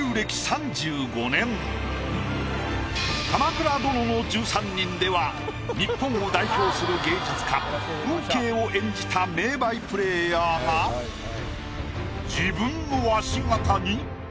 「鎌倉殿の１３人」では日本を代表する芸術家運慶を演じた名バイプレーヤーが自分の足形に。